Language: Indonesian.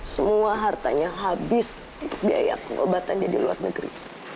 semua hartanya habis untuk biaya pengobatan dia di luar negeri